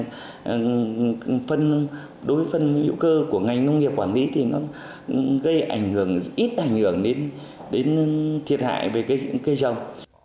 đối với phân yếu cơ của ngành nông nghiệp quản lý thì nó gây ít ảnh hưởng đến thiệt hại về cây trồng